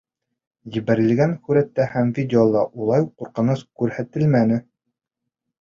Ебәрелгән һүрәттә һәм видеола улай уҡ ҡурҡыныс күренмәне.